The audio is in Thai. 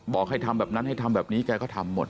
บอกให้ทำแบบนั้นให้ทำแบบนี้แกก็ทำหมด